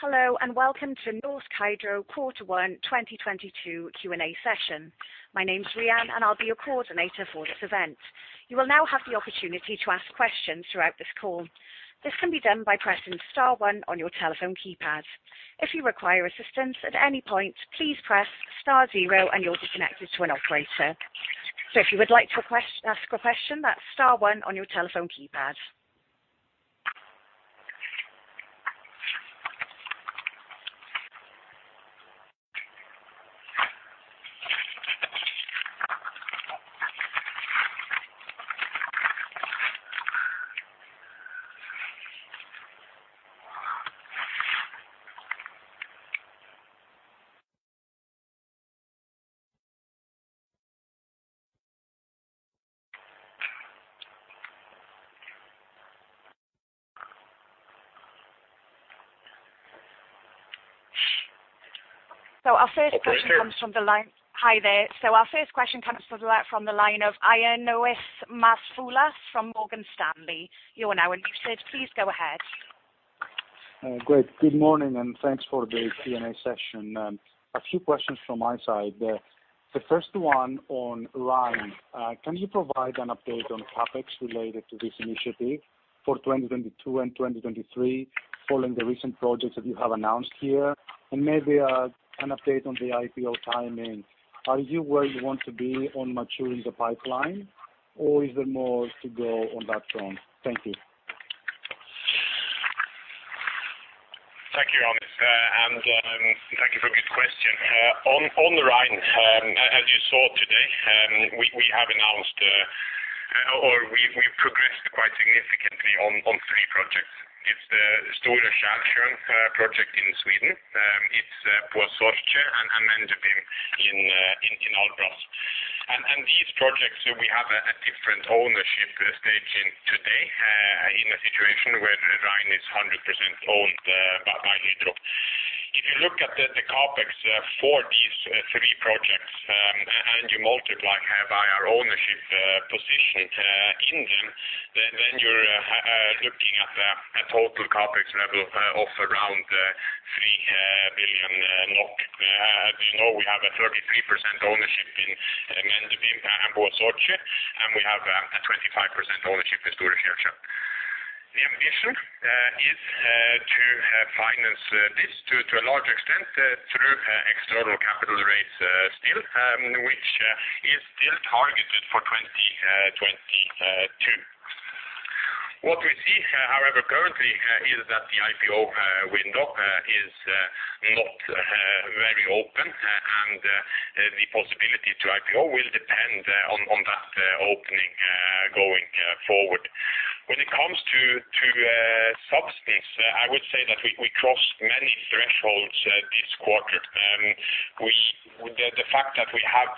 Hello, and welcome to Norsk Hydro Q1 2022 Q&A session. My name's Leanne, and I'll be your coordinator for this event. You will now have the opportunity to ask questions throughout this call. This can be done by pressing star one on your telephone keypad. If you require assistance at any point, please press star zero and you'll be connected to an operator. If you would like to ask a question, that's star one on your telephone keypad. Our first question comes from the line. Operator. Hi there. Our first question comes from the line of Ioannis Masvoulas from Morgan Stanley. You are now unmuted. Please go ahead. Great. Good morning, and thanks for the Q&A session. A few questions from my side. The first one on line. Can you provide an update on topics related to this initiative for 2022 and 2023 following the recent projects that you have announced here, and maybe an update on the IPO timing? Are you where you want to be on maturing the pipeline, or is there more to go on that front? Thank you. Thank you, Ioannis. And thank you for a good question. On the line, as you saw today, we have announced, or we've progressed quite significantly on three projects. It's the Stora Sjöfallet project in Sweden, it's Posovje and Mendip in Albras. These projects we have a different ownership stake in today, in a situation where the line is 100% owned by Hydro. If you look at the CapEx for these three projects, and you multiply by our ownership position in them, then you're looking at a total CapEx level of around 3 billion NOK. As you know, we have a 33% ownership in Mendip and Posovje, and we have a 25% ownership in Stora Sjöfallet. The ambition is to finance this to a large extent through external capital raise still, which is still targeted for 2022. What we see, however, currently is that the IPO window is not very open, and the possibility to IPO will depend on that opening going forward. When it comes to substance, I would say that we crossed many thresholds this quarter. The fact that we have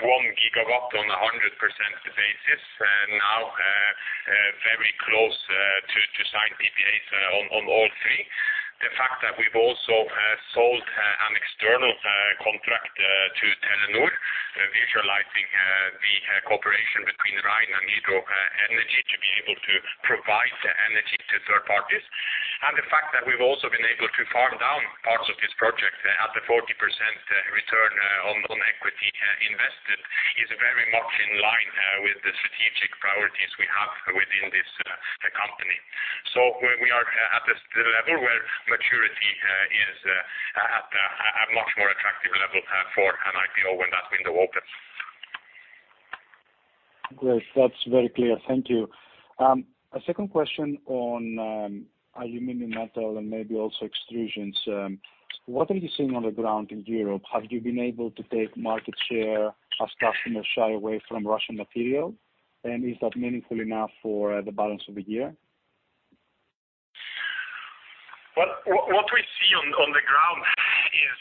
1 gigawatt on a 100% basis now very close to sign PPAs on all three. The fact that we've also sold an external contract to Telenor visualizing the cooperation between Hydro Rein and Hydro Energy to be able to provide the energy to third parties. The fact that we've also been able to farm down parts of this project at a 40% return on equity invested is very much in line with the strategic priorities we have within this company. We are at the level where maturity is at a much more attractive level for an IPO when that window opens. Great. That's very clear. Thank you. A second question on aluminum metal and maybe also extrusions. What are you seeing on the ground in Europe? Have you been able to take market share as customers shy away from Russian material? Is that meaningful enough for the balance of the year? Well, what we see on the ground is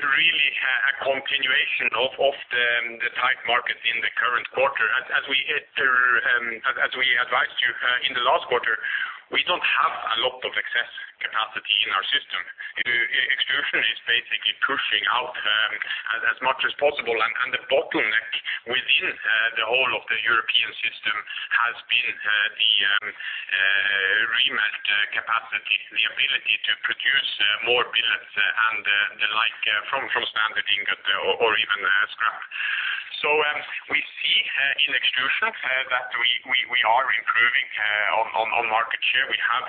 really a continuation of the tight market in the current quarter. As we advised you in the last quarter, we don't have a lot of excess capacity in our system. Extrusion is basically pushing out as much as possible. The bottleneck within the remelt capacity, the ability to produce more billets and the like from standard ingot or even scrap. We see in extrusions that we are improving on market share. We have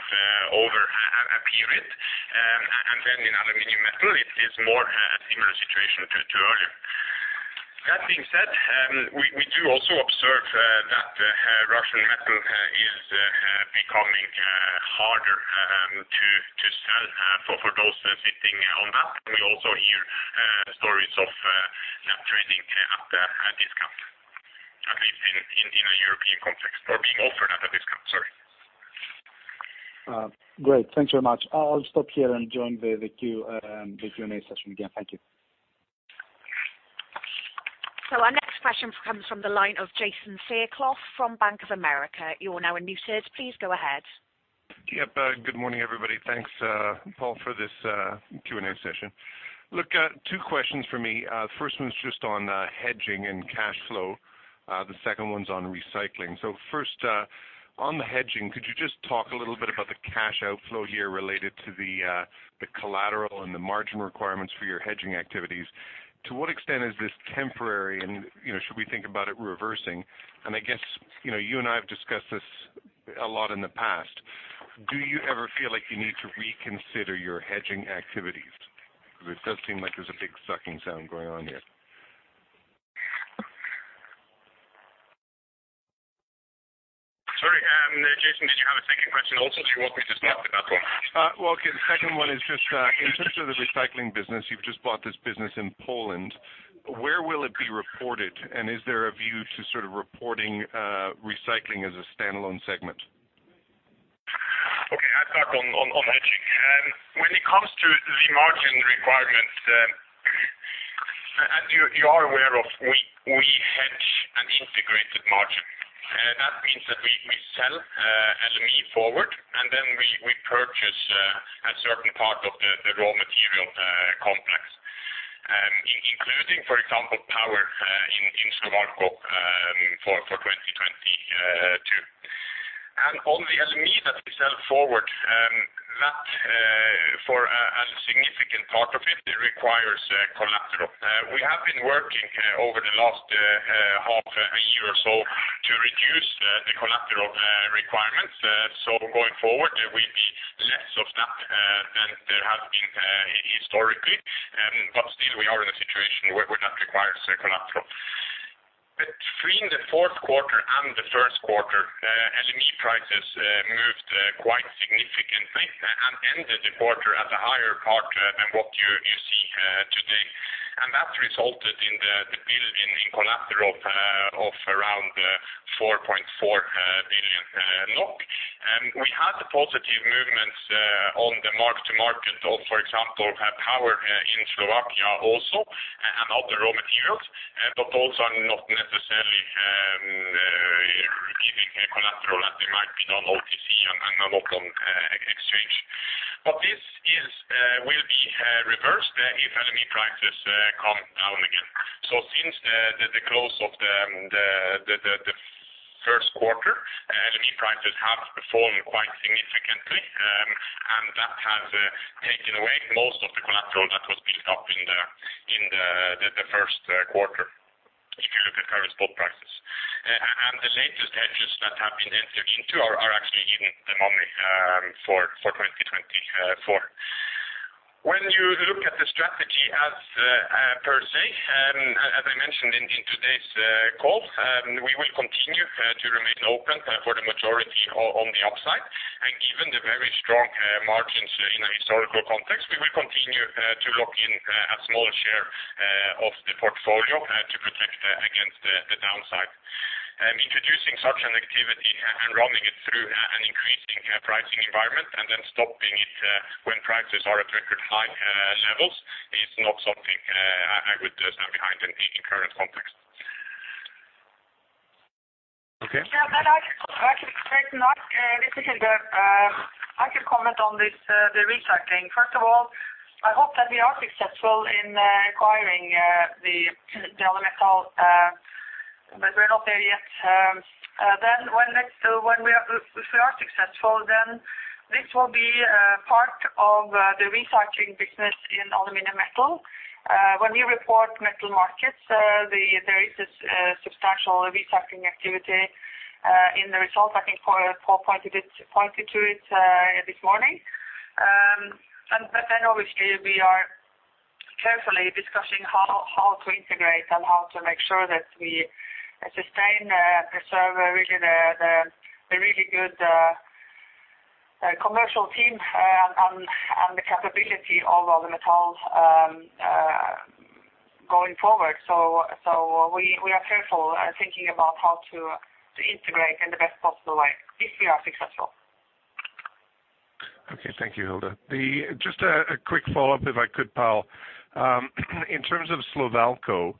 over a period. In aluminum metal it is more a similar situation to earlier. That being said, we do also observe that Russian metal is becoming harder to sell for those sitting on that. We also hear stories of that trading at a discount, at least in a European context or being offered at a discount. Sorry. Great. Thank you very much. I'll stop here and join the Q&A session again. Thank you. Our next question comes from the line of Jason Fairclough from Bank of America. You are now unmuted. Please go ahead. Yep. Good morning, everybody. Thanks, Pål, for this Q&A session. Look, two questions for me. The first one's just on hedging and cash flow. The second one's on recycling. First, on the hedging, could you just talk a little bit about the cash outflow here related to the collateral and the margin requirements for your hedging activities? To what extent is this temporary and, you know, should we think about it reversing? And I guess, you know, you and I have discussed this a lot in the past. Do you ever feel like you need to reconsider your hedging activities? Because it does seem like there's a big sucking sound going on here. Sorry. Jason, did you have a second question also, or was it just that? Well, the second one is just in terms of the recycling business, you've just bought this business in Poland. Where will it be reported? Is there a view to sort of reporting recycling as a standalone segment? Okay. I'll start on hedging. When it comes to the margin requirements, as you are aware of, we hedge an integrated margin. That means that we sell LME forward, and then we purchase a certain part of the raw material complex, including, for example, power, in Slovalco, for 2022. On the LME that we sell forward, that for a significant part of it requires collateral. We have been working over the last half a year or so to reduce the collateral requirements. Going forward, there will be less of that than there has been historically. Still, we are in a situation where that requires collateral. Between the fourth quarter and the first quarter, LME prices moved quite significantly and ended the quarter at a higher part than what you see today. That resulted in the build in collateral of around 4.4 billion NOK. We had a positive movement on the mark-to-market of, for example, power in Slovakia also and other raw materials. Those are not necessarily giving a collateral as they might be done OTC and not on exchange. This will be reversed if LME prices come down again. Since the close of the first quarter, LME prices have performed quite significantly, and that has taken away most of the collateral that was built up in the first quarter if you look at current spot prices. The latest hedges that have been entered into are actually even money for 2024. When you look at the strategy as per se, as I mentioned in today's call, we will continue to remain open for the majority on the upside. Given the very strong margins in a historical context, we will continue to lock in a small share of the portfolio to protect against the downside. Introducing such an activity and running it through an increasing pricing environment and then stopping it when prices are at record-high levels is not something I would stand behind in the current context. Okay. Yeah. I can try to add. This is Hilde. I can comment on this, the recycling. First of all, I hope that we are successful in acquiring the aluminum metal, but we're not there yet. If we are successful, then this will be part of the recycling business in aluminum metal. When we report metal markets, there is this substantial recycling activity in the results. I think Pål pointed to it this morning. But then obviously we are carefully discussing how to integrate and how to make sure that we sustain preserve really the really good commercial team and the capability of aluminum metal going forward. We are careful thinking about how to integrate in the best possible way if we are successful. Okay. Thank you, Hilde. Just a quick follow-up if I could, Pål. In terms of Slovalco,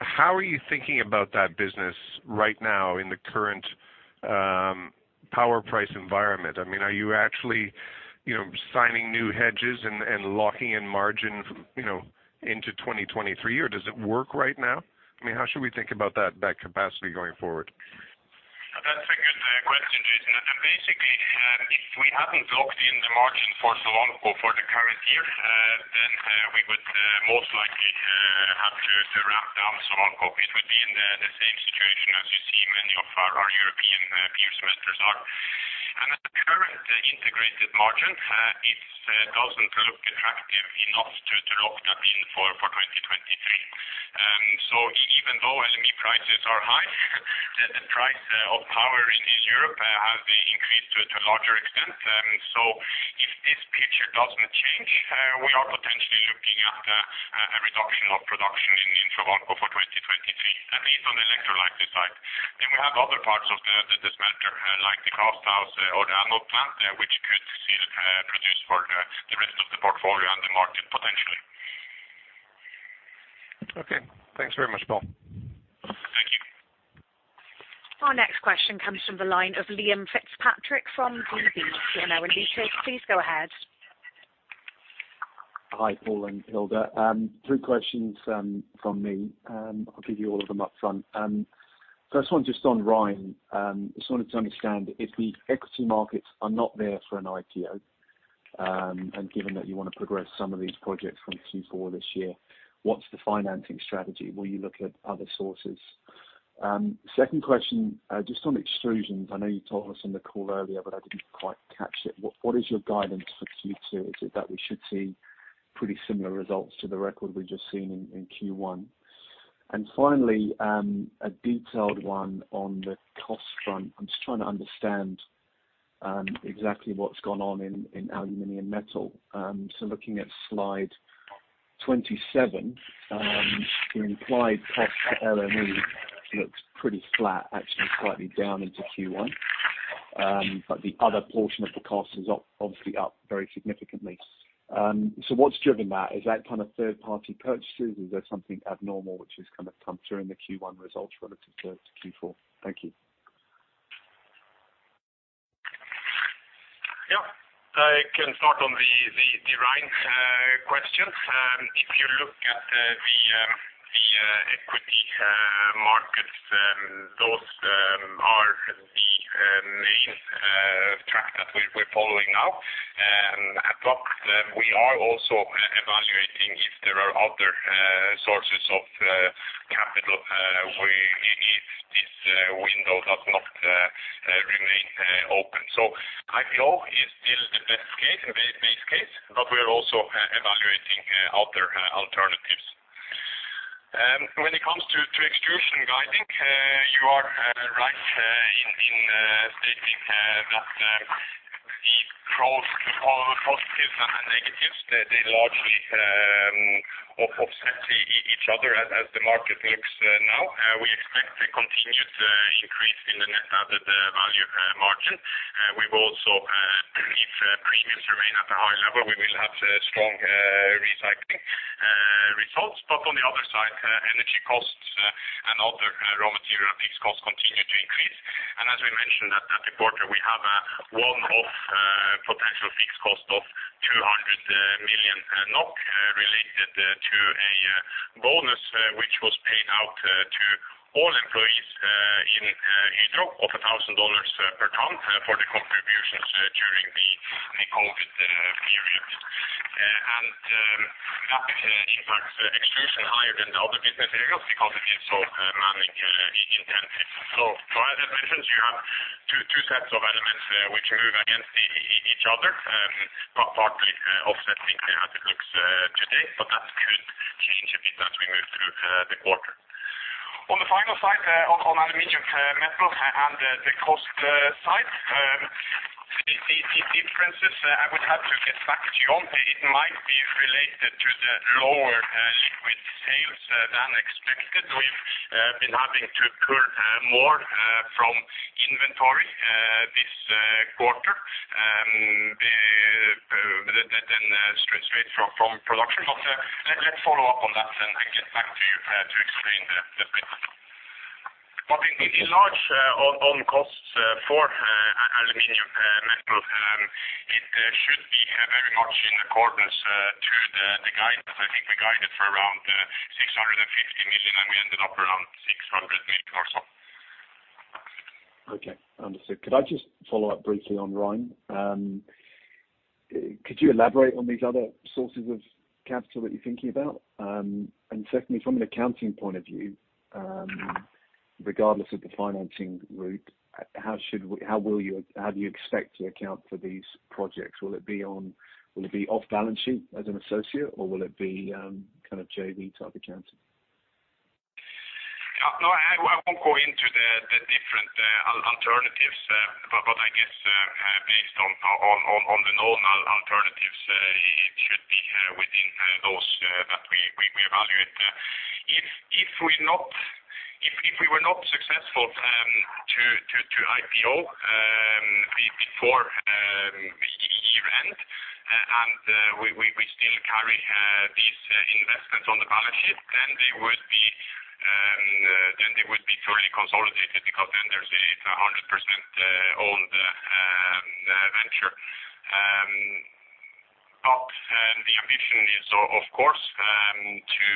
how are you thinking about that business right now in the current power price environment? I mean, are you actually, you know, signing new hedges and locking in margin, you know, into 2023, or does it work right now? I mean, how should we think about that capacity going forward? That's a good question, Jason. Basically, if we haven't locked in the margin for Slovalco for the current year, then we would most likely have to ramp down Slovalco. It would be in the same situation as you see many of our European peers smelters are. At the current integrated margin, it doesn't look attractive enough to lock that in for 2023. Even though LME prices are high, the price of power in Europe has increased to a larger extent. If this picture doesn't change, we are potentially looking at a reduction of production in Slovalco for 2023, at least on the electrolysis side. We have other parts of the smelter, like the cast house or the anode plant, which could see the production for the rest of the portfolio and the market potentially. Okay. Thanks very much, Pål. Thank you. Our next question comes from the line of Liam Fitzpatrick from Deutsche Bank. Liam, your line is open. Please go ahead. Hi, Pål and Hilde. Three questions from me. I'll give you all of them up front. First one just on Hydro Rein. Just wanted to understand if the equity markets are not there for an IPO, and given that you wanna progress some of these projects from Q4 this year, what's the financing strategy? Will you look at other sources? Second question, just on extrusions. I know you told us on the call earlier, but I didn't quite catch it. What is your guidance for Q2? Is it that we should see pretty similar results to the record we've just seen in Q1? Finally, a detailed one on the cost front. I'm just trying to understand exactly what's gone on in aluminum metal. Looking at slide 27, the implied cost to LME looks pretty flat, actually slightly down into Q1. The other portion of the cost is up, obviously up very significantly. What's driven that? Is that kind of third-party purchases? Is there something abnormal which has kind of come through in the Q1 results relative to Q4? Thank you. Yeah. I can start on the Hydro Rein questions. If you look at the equity markets, those are the main track that we're following now. But we are also evaluating if there are other sources of capital where if this window does not remain open. IPO is still the best base case, but we're also evaluating other alternatives. When it comes to extrusion guiding, you are right in stating that the positives and the negatives, they largely offset each other as the market looks now. We expect a continued increase in the net value added margin. We've also, if premiums remain at a high level, we will have strong recycling results. On the other side, energy costs and other raw material fixed costs continue to increase. As we mentioned at the quarter, we have a one-off potential fixed cost of 200 million NOK related to a bonus which was paid out to all employees in Hydro of $1,000 per ton for the contributions during the COVID period. That impacts extrusion higher than the other business areas because it is so labor-intensive. As I mentioned, you have two sets of elements which move against each other, partly offsetting as it looks today, but that could change a bit as we move through the quarter. On the financial side, on aluminum metal and the cost side, the differences, I would have to get back to you on. It might be related to the lower liquid sales than expected. We've been having to pull more from inventory this quarter than straight from production. Let's follow up on that and get back to you to explain the bits. Largely on costs for aluminum metal, it should be very much in accordance to the guidance. I think we guided for around 650 million, and we ended up around 600 million or so. Understood. Could I just follow up briefly on Rein? Could you elaborate on these other sources of capital that you're thinking about? And secondly, from an accounting point of view, regardless of the financing route, how do you expect to account for these projects? Will it be off balance sheet as an associate, or will it be kind of JV type accounting? Yeah. No, I won't go into the different alternatives, but I guess, based on the known alternatives, it should be within those that we evaluate. If we were not successful to IPO before year-end, and we still carry these investments on the balance sheet, then they would be fully consolidated because then there's 100% owned venture. But the ambition is of course to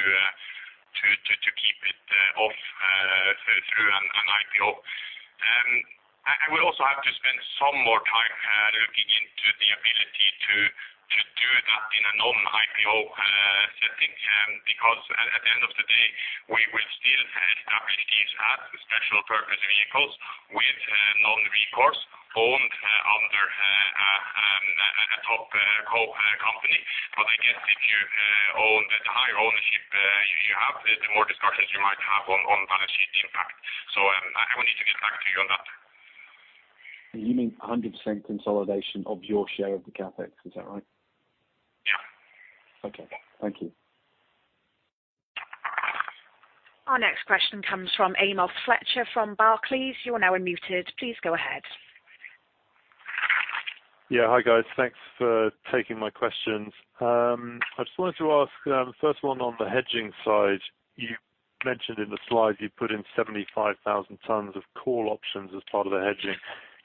keep it off through an IPO. We also have to spend some more time looking into the ability to do that in a non-IPO setting, because at the end of the day, we will still establish these as special purpose vehicles with non-recourse loan under a topco company. I guess the higher ownership you have, the more discussions you might have on balance sheet impact. I will need to get back to you on that. You mean 100% consolidation of your share of the CapEx, is that right? Yeah. Okay. Thank you. Our next question comes from Amos Fletcher from Barclays. You are now unmuted. Please go ahead. Yeah. Hi, guys. Thanks for taking my questions. I just wanted to ask, first one on the hedging side. You mentioned in the slides you put in 75,000 tons of call options as part of the hedging.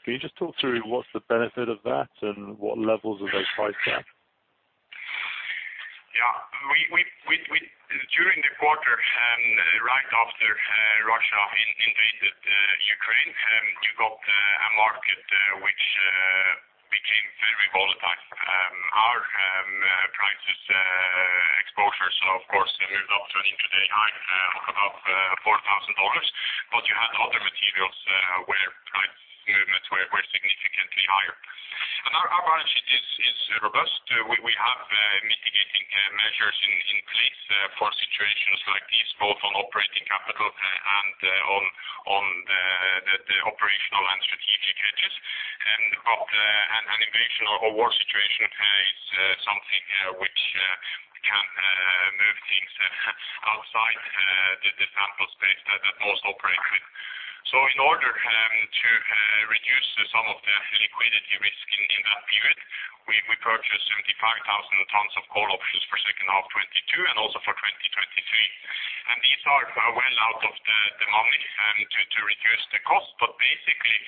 Can you just talk through what's the benefit of that and what levels are they priced at? During the quarter and right after, Russia invaded Ukraine, you got a market which became very volatile. Our price exposure so of course moved up to an intraday high of about $4,000. You had other materials where price movements were significantly higher. Our balance sheet is robust. We have mitigating measures in place for situations like these, both on operating capital and on the operational and strategic hedges. An invasion or war situation is something which can move things outside the sample space that most operate with. In order to reduce some of the liquidity risk in that period, we purchased 75,000 tons of call options for second half 2022 and also for 2023. These are well out of the money to reduce the cost. Basically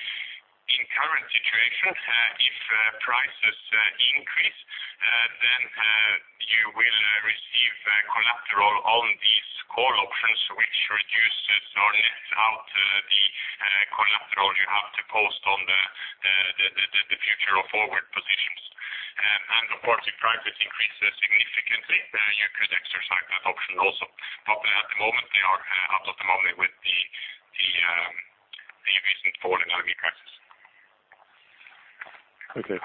in current situation, if prices increase, then you will receive collateral on these call options which reduces or nets out the collateral you have to post on the future or forward positions. Of course, if prices increases significantly, you could exercise that option also. At the moment they are out of the money with the recent fall in energy prices. Okay.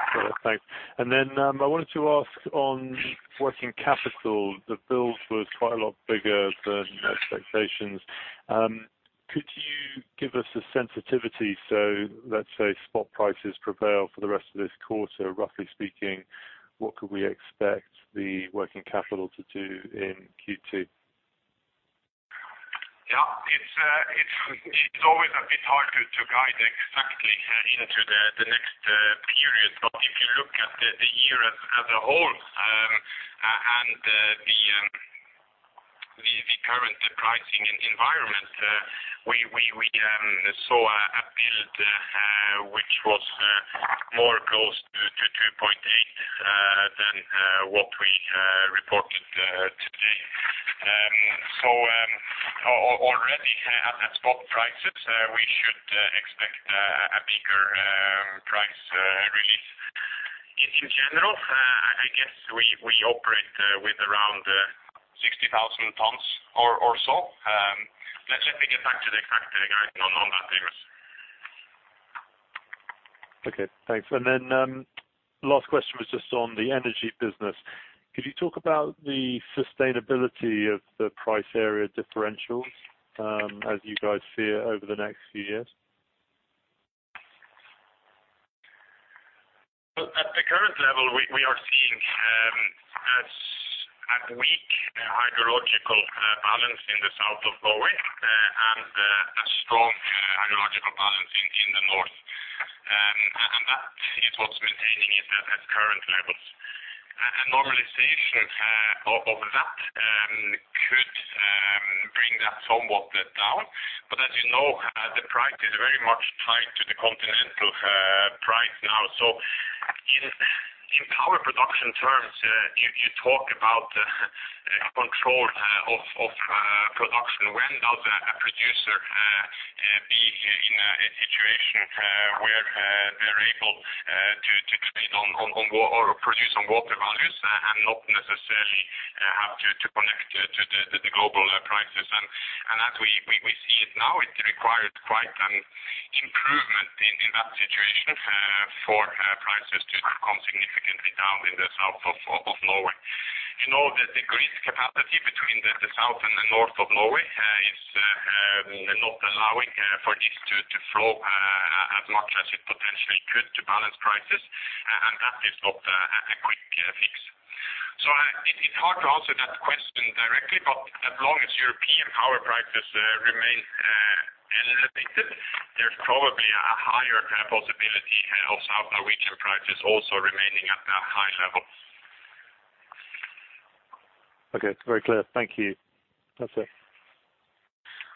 Thanks. I wanted to ask on working capital. The build was quite a lot bigger than expectations. Could you give us a sensitivity? Let's say spot prices prevail for the rest of this quarter, roughly speaking, what could we expect the working capital to do in Q2? Yeah. It's always a bit hard to guide exactly into the next period. If you look at the year as a whole, and the current pricing environment, we saw a build, which was more close to 2.8 than what we reported today. So, already at the spot prices, we should expect a bigger price release. In general, I guess we operate with around 60,000 tons or so. Let me get back to the exact guidance on that figure. Okay, thanks. Last question was just on the energy business. Could you talk about the sustainability of the price area differentials, as you guys see it over the next few years? At the current level, we are seeing a weak hydrological balance in the south of Norway and a strong hydrological balance in the north. That is what's maintaining it at current levels. A normalization of that could bring that somewhat down. As you know, the price is very much tied to the continental price now. In power production terms, you talk about control of production. When does a producer be in a situation where they're able to trade on or produce on water values and not necessarily have to connect to the global prices. As we see it now, it requires quite an improvement in that situation for prices to come significantly down in the south of Norway. You know, the grid capacity between the south and the north of Norway is not allowing for this to flow as much as it potentially could to balance prices. That is not a quick fix. It's hard to answer that question directly, but as long as European power prices remain elevated, there's probably a higher possibility of south Norwegian prices also remaining at a high level. Okay. Very clear. Thank you. That's it.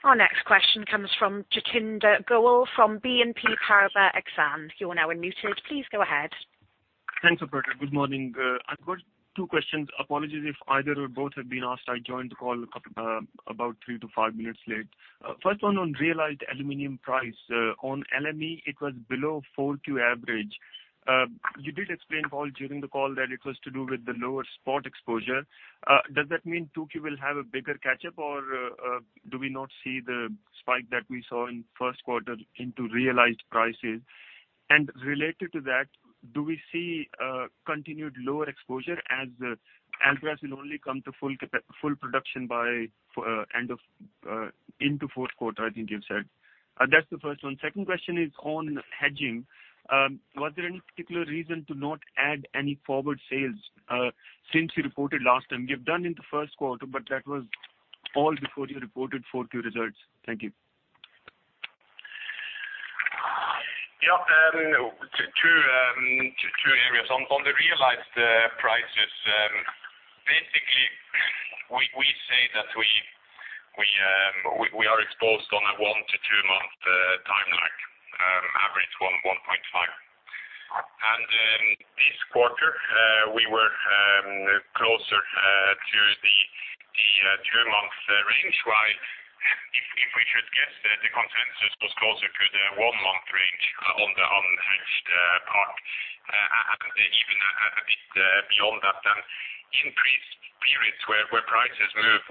Our next question comes from Jatinder Goel from BNP Paribas Exane. You are now unmuted. Please go ahead. Thanks, operator. Good morning. I've got two questions. Apologies if either or both have been asked. I joined the call about 3-5 minutes late. First one on realized aluminum price. On LME it was below 4Q average. You did explain, Pål, during the call that it was to do with the lower spot exposure. Does that mean 2Q will have a bigger catch-up, or do we not see the spike that we saw in first quarter into realized prices? Related to that, do we see continued lower exposure as the Albras will only come to full production by end of into fourth quarter, I think you've said? That's the first one. Second question is on hedging. Was there any particular reason to not add any forward sales since you reported last time? You've done in the first quarter, but that was all before you reported Q4 results. Thank you. Yeah. Two areas. On the realized prices, basically we say that we are exposed on a one to two month time lag, average 1.5. This quarter, we were closer to the two month range while if we should guess that the consensus was closer to the one month range on the unhedged part and even a bit beyond that. Increased periods where prices move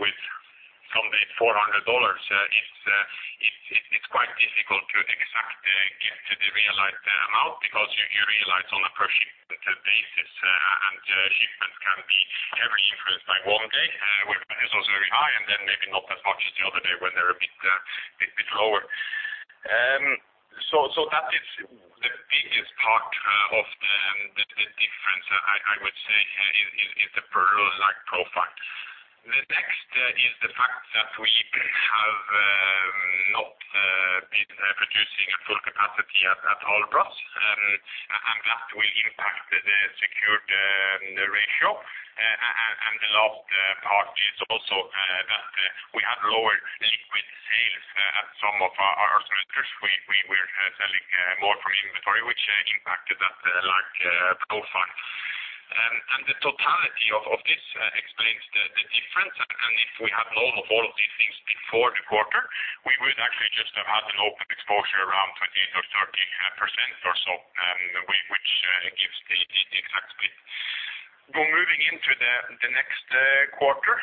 from the $400, it's quite difficult to exactly get to the realized amount because you realize on a per shipment basis, and shipments can be very influenced by one day where price was very high, and then maybe not as much as the other day when they're a bit lower. So that is the biggest part of the difference I would say is the per-lag profile. The next is the fact that we have not been producing at full capacity at Albras. And that will impact the secured ratio. The last part is also that we had lower liquid sales at some of our smelters. We were selling more from inventory which impacted that lag profile. The totality of this explains the difference. If we had known of all of these things before the quarter, we would actually just have had an open exposure around 20 or 30.5% or so, which gives the exact split. Moving into the next quarter,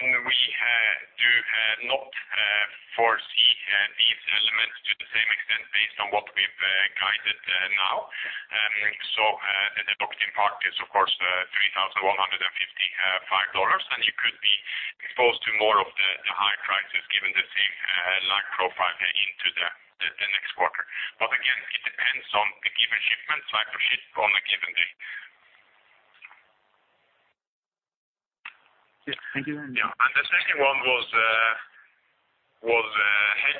we do not foresee these elements to the same extent based on what we've guided now. The locked-in part is of course $3,155, and you could be exposed to more of the high prices given the same lag profile into the next quarter. Again, it depends on the given shipments, like the ship on a given day. Yes. Thank you very much. Yeah. The second one was.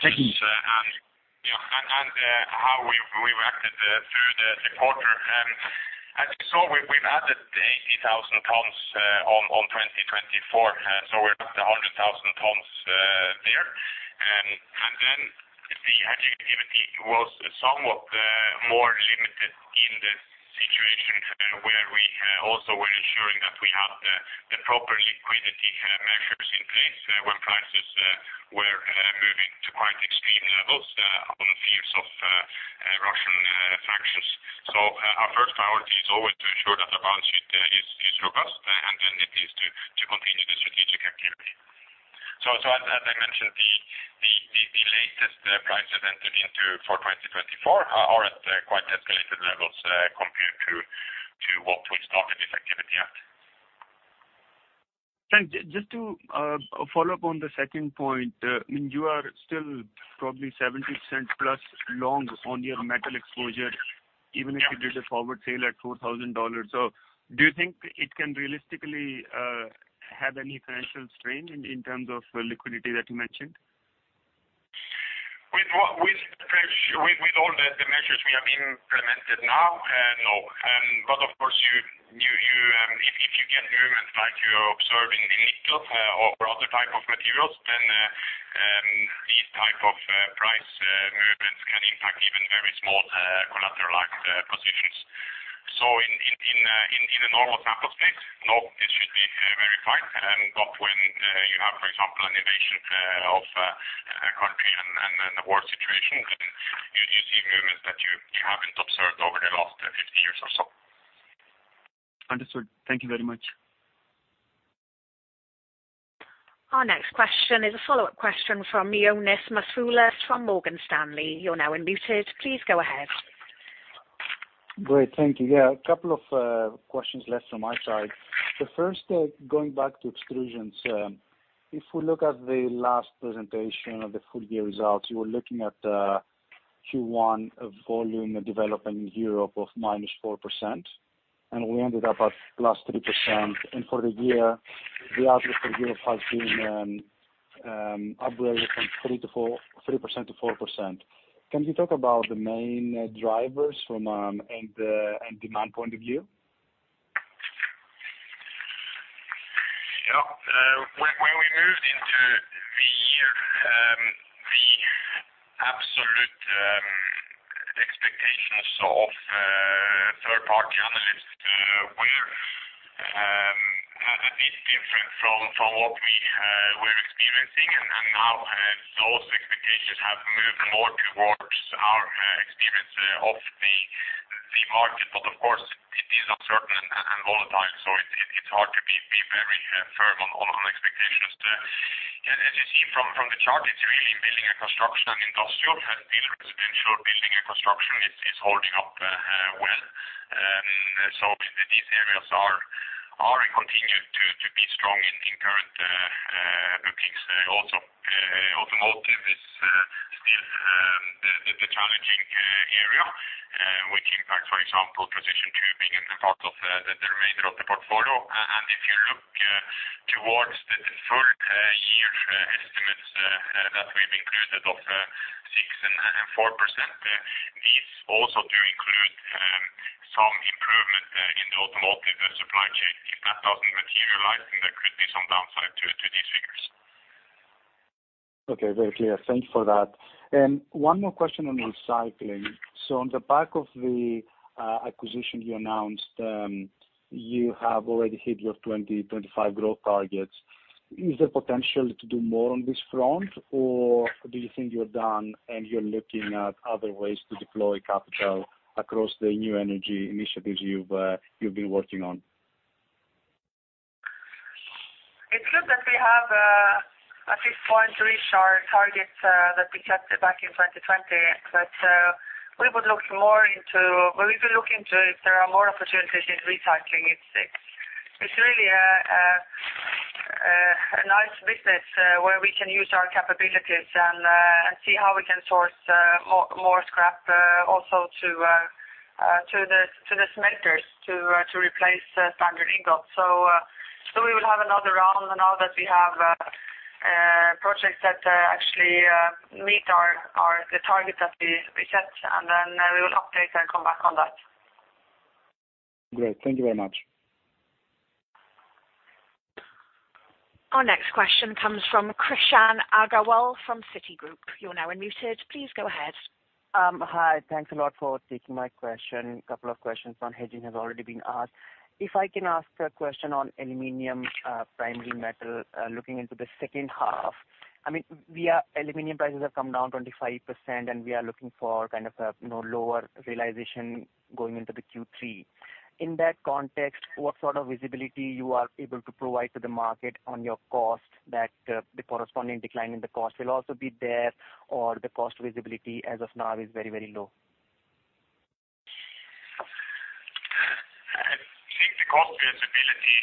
Thank you. How we've acted through the quarter. As you saw, we've added 80,000 tons on 2024, so we're at 100,000 tons there. The hedging activity was somewhat more limited in the situation where we also were ensuring that we had the proper liquidity measures in place when prices were moving to quite extreme levels on fears of Russian actions. Our first priority is always to ensure that the balance sheet is robust, and then it is to continue the strategic activity. As I mentioned, the latest prices entered into for 2024 are at quite escalated levels, compared to what we started this activity at. Thanks. Just to follow up on the second point, I mean, you are still probably 70%+ long on your metal exposure even if you did a forward sale at $4,000. Do you think it can realistically have any financial strain in terms of the liquidity that you mentioned? With what? With all the measures we have implemented now, no. Of course you, if you get movement like you're observing in nickel or other type of materials, then these type of price movements can impact even very small collateralized positions. In a normal type of space, no, it should be very fine. When you have, for example, an invasion of a country and a war situation, then you see movements that you haven't observed over the last 50 years or so. Understood. Thank you very much. Our next question is a follow-up question from Ioannis Masvoulas from Morgan Stanley. You're now unmuted. Please go ahead. Great. Thank you. Yeah, a couple of questions left from my side. The first, going back to extrusions, if we look at the last presentation of the full-year results, you were looking at Q1 of volume development in Europe of -4%, and we ended up at +3%. For the year, the outlook for Europe has been upgraded from 3%-4%. Can you talk about the main drivers from a demand point of view? Yeah. When we moved into the year, the absolute expectations of third party analysts were a bit different from what we were experiencing. Now those expectations have moved more towards our experience of the market. Of course, it is uncertain and volatile, so it's hard to be very firm on expectations. As you see from the chart, it's really building and construction and industrial. Still residential building and construction is holding up well. These areas are and continue to be strong in current bookings. Also, automotive is still the challenging area. Big impact, for example, precision tubing and part of the remainder of the portfolio. If you look towards the full year estimates that we've included of 6% and 4%, these also do include some improvement in the automotive supply chain. If that doesn't materialize, then there could be some downside to these figures. Okay, very clear. Thanks for that. One more question on recycling. On the back of the acquisition you announced, you have already hit your 2025 growth targets. Is there potential to do more on this front, or do you think you're done and you're looking at other ways to deploy capital across the new energy initiatives you've been working on? It's good that we have, I think 43 share targets that we kept back in 2020. We will be looking into if there are more opportunities in recycling. It's really a nice business where we can use our capabilities and see how we can source more scrap also to the smelters to replace standard ingot. We will have another round now that we have projects that actually meet our targets that we set, and then we will update and come back on that. Great. Thank you very much. Our next question comes from Krishan Agarwal from Citigroup. You're now unmuted. Please go ahead. Hi. Thanks a lot for taking my question. A couple of questions on hedging has already been asked. If I can ask a question on aluminum, primary metal, looking into the second half. I mean, Aluminum prices have come down 25%, and we are looking for kind of a, you know, lower realization going into the Q3. In that context, what sort of visibility you are able to provide to the market on your cost that, the corresponding decline in the cost will also be there, or the cost visibility as of now is very, very low? I think the cost visibility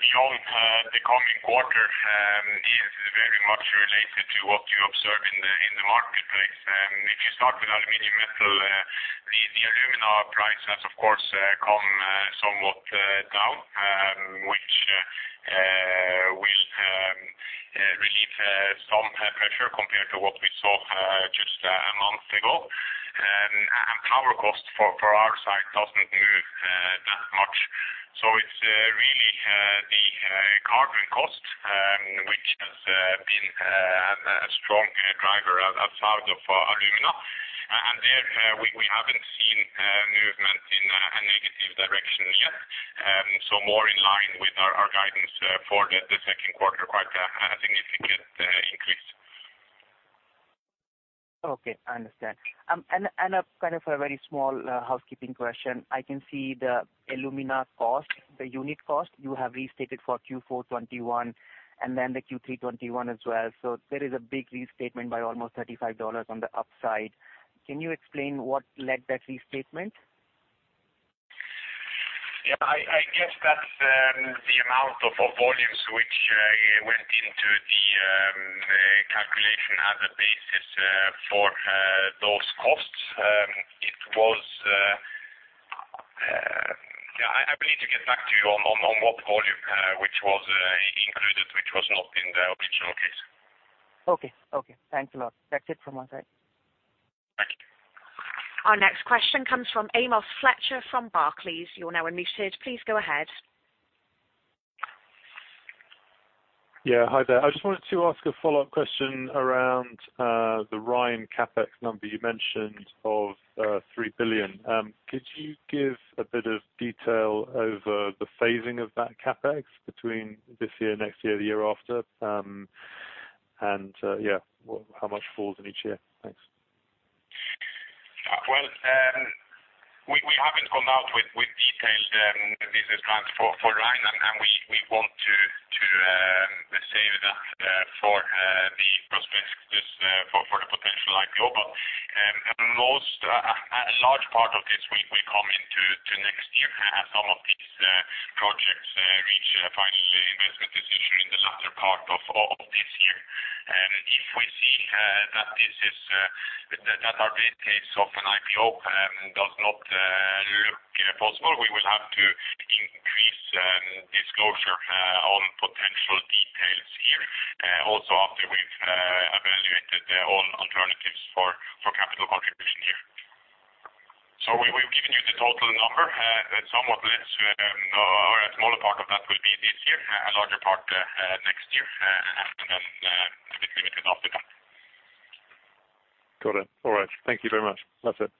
beyond the coming quarter is very much related to what you observe in the marketplace. If you start with aluminum metal, the alumina price has of course come somewhat down, which will relieve some pressure compared to what we saw just a month ago. Power cost for our side doesn't move that much. It's really the carbon cost which has been a strong driver outside of alumina. There we haven't seen movement in a negative direction yet. More in line with our guidance for the second quarter, quite a significant increase. Okay, I understand. A kind of very small housekeeping question. I can see the alumina cost, the unit cost you have restated for Q4 2021 and then the Q3 2021 as well. There is a big restatement by almost $35 on the upside. Can you explain what led that restatement? I guess that's the amount of volumes which went into the calculation as a basis for those costs. I will need to get back to you on what volume which was included, which was not in the original case. Okay. Okay, thanks a lot. That's it from my side. Thank you. Our next question comes from Amos Fletcher from Barclays. You're now unmuted. Please go ahead. Yeah, hi there. I just wanted to ask a follow-up question around the Hydro CapEx number you mentioned of 3 billion. Could you give a bit of detail over the phasing of that CapEx between this year, next year, the year after? Yeah, how much falls in each year? Thanks. Well, we haven't gone out with detailed business plans for Hydro Rein, and we want to save that for the prospectus for the potential IPO. A large part of this will come into next year as some of these projects reach a final investment decision in the latter part of this year. If we see that our base case of an IPO does not look possible, we will have to increase disclosure on potential details here, also after we've evaluated on alternatives for capital contribution here. We've given you the total number. Somewhat less, or a smaller part of that will be this year, a larger part next year, and then the remainder after that. Got it. All right. Thank you very much. That's it.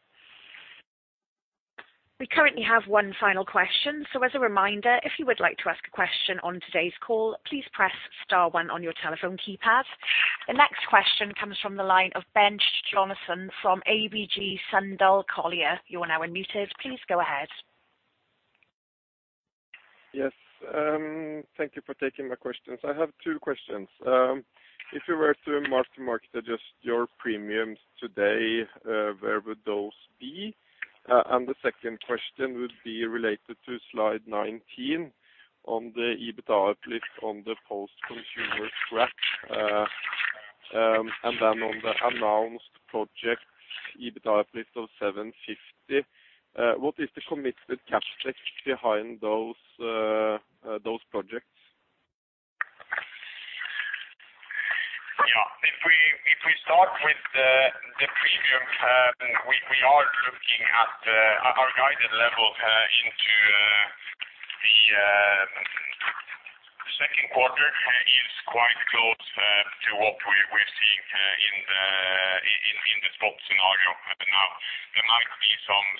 We currently have one final question. As a reminder, if you would like to ask a question on today's call, please press star one on your telephone keypad. The next question comes from the line of Bengt Jonassen from ABG Sundal Collier. You are now unmuted. Please go ahead. Yes. Thank you for taking my questions. I have two questions. If you were to mark-to-market adjust your premiums today, where would those be? The second question would be related to slide 19 on the EBITDA uplift on the post-consumer scrap. On the announced project, EBITDA of 750. What is the committed CapEx behind those projects? Yeah. If we start with the premium, we are looking at our guided level into the second quarter is quite close to what we're seeing in the spot scenario. Now, there might be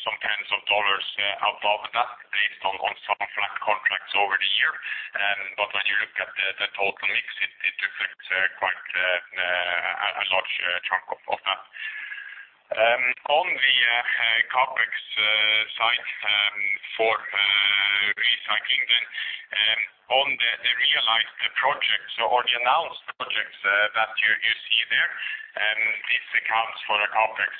some tens of dollars above that based on some flat contracts over the year. But when you look at the total mix, it reflects quite a large chunk of that. On the CapEx side, for recycling then, on the realized projects or the announced projects that you see there, this accounts for a CapEx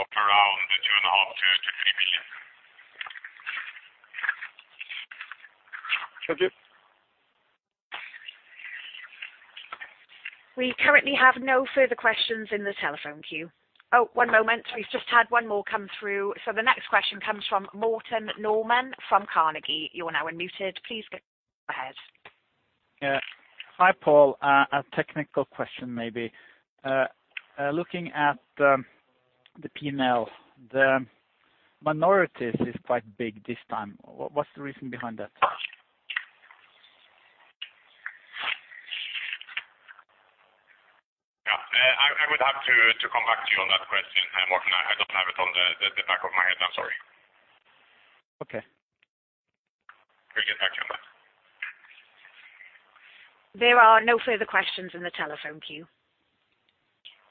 of around 2.5 million-3 million. Thank you. We currently have no further questions in the telephone queue. Oh, one moment. We've just had one more come through. The next question comes from Morten Normann from Carnegie. You are now unmuted. Please go ahead. Yeah. Hi, Pål. A technical question maybe. Looking at the P&L, the minorities is quite big this time. What's the reason behind that? Yeah. I would have to come back to you on that question, Morten. I don't have it on the back of my head. I'm sorry. Okay. We'll get back to you on that. There are no further questions in the telephone queue.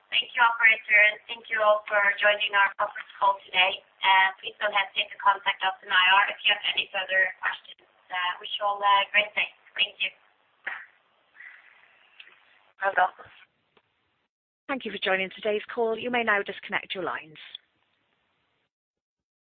Thank you, operator. Thank you all for joining our conference call today. Please don't hesitate to contact us in IR if you have any further questions. Wish you all a great day. Thank you. Thank you for joining today's call. You may now disconnect your lines.